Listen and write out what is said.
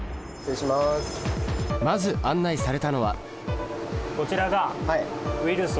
まず案内されたのはこちらがウイルス！？